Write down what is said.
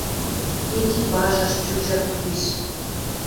Экипажыш чучын тиш.